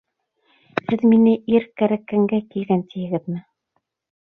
Һеҙ мине ир кәрәккәнгә килгән тиһегеҙме?